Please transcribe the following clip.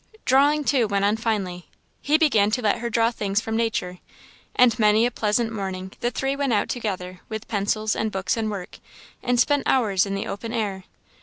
Drawing, too, went on finely. He began to let her draw things from nature; and many a pleasant morning the three went out together with pencils and books and work, and spent hours in the open air.